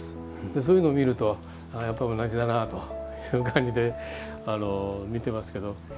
そういうのを見るとやっぱり同じだなという感じで見ていますけど。